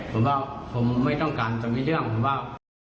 ผมว่าผมไม่ต้องการจะมีเรื่องผมว่า